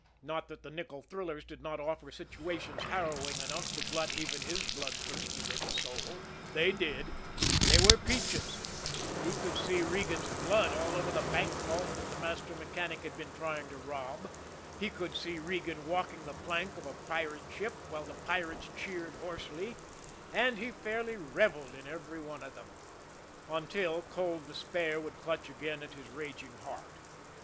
Not that the nickel thrillers did not offer situations harrowing enough to glut even his blood thirsty little soul they did they were peaches he could see Regan's blood all over the bank vault that the master mechanic had been trying to rob he could see Regan walking the plank of a pirate ship, while the pirates cheered hoarsely and he fairly revelled in every one of them until cold despair would clutch again at his raging heart.